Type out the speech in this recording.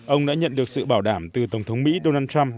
ông đã nhận được sự bảo đảm từ tổng thống mỹ donald trump